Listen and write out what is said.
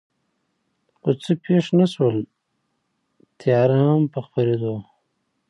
خو څه پېښ نه شول، تیاره هم په خپرېدو وه.